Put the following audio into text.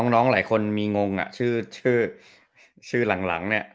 น้องหลายคนมีงงอ่ะชื่อหลังเนี่ย